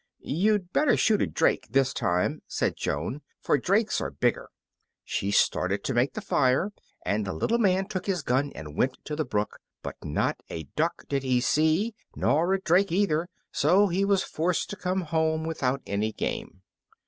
"You'd better shoot a drake this time," said Joan, "for drakes are bigger." She started to make the fire, and the little man took his gun and went to the brook; but not a duck did he see, nor drake neither, and so he was forced to come home without any game.